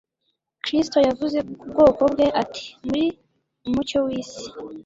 kristo yavuze ku bwoko bwe ati, muri umucyo w'isi